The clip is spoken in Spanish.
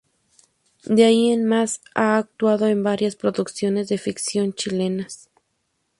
De ahí en más, ha actuado en varias producciones de ficción chilenas.